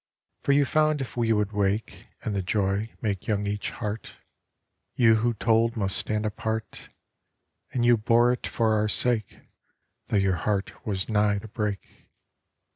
For you found if we would wake And the joy make young each heart, You who told must stand apart : And you bore it for our sake, Though your heart was nigh to break.